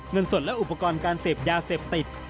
เงินสดและอุปกรณ์การเสพยาเสพติด